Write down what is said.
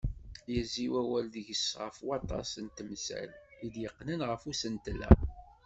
Yezzi wawal deg-s ɣef waṭas n temsal i d-yeqqnen ɣef usentel-a.